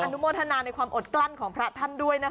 นุโมทนาในความอดกลั้นของพระท่านด้วยนะคะ